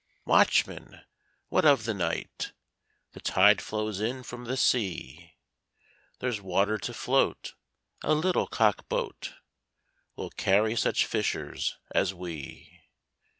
'Watchman, what of the night?' 'The tide flows in from the sea; There's water to float a little cockboat Will carry such fishers as we.'